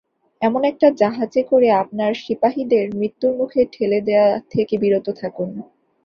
এমন একটা জাহাজে করে আপনার সিপাহীদের মৃত্যুর মুখে ঠেলে দেয়া থেকে বিরত থাকুন।